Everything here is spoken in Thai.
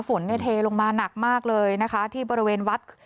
ฝนเนี่ยเทลงมาหนักมากเลยนะคะที่บริเวณวัด